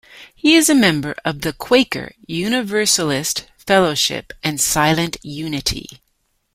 He is a member of The Quaker Universalist Fellowship and Silent Unity.